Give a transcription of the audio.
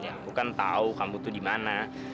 ya aku kan tahu kamu tuh di mana